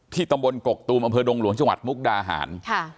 ที่ตำบลกกกตูมบดงหลวงจมกดาหาร